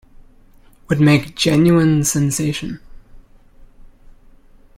Would make genuine sensation.